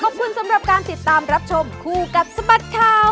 ขอบคุณสำหรับการติดตามรับชมคู่กับสบัดข่าว